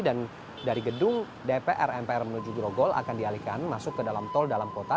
dan dari gedung dpr mpr menuju grogol akan dialihkan masuk ke dalam tol dalam kota